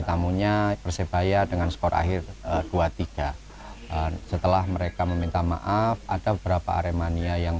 tamunya persebaya dengan skor akhir dua puluh tiga setelah mereka meminta maaf ada beberapa aremania yang